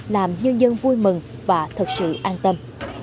làm nhân dân vui mừng và thật sự an tâm